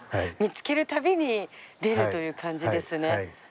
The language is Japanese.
見つける旅に出るという感じですね。